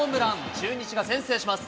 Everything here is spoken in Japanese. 中日が先制します。